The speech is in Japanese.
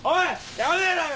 やめろよ！